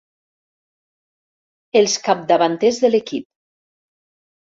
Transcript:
Els capdavanters de l'equip.